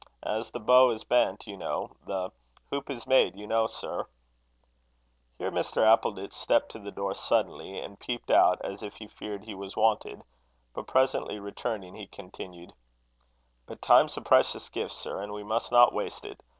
As the bow is bent, you know the hoop is made, you know, sir." Here Mr. Appleditch stepped to the door suddenly, and peeped out, as if he feared he was wanted; but presently returning, he continued: "But time's a precious gift, sir, and we must not waste it.